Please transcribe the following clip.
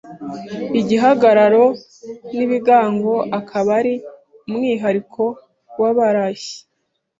Igihagararo n’ibigango akaba ari umwihariko w’abarashi